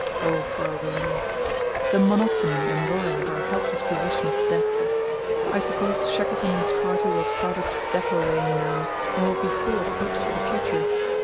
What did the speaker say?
Oh for a release! The monotony and worry of our helpless position is deadly. I suppose Shackleton and his party will have started depot laying now and will be full of hopes for the future.